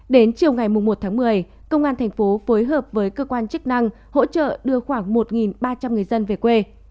đến chiều ngày một tháng một mươi công an thành phố phối hợp với cơ quan chức năng hỗ trợ đưa khoảng một ba trăm linh người dân về quê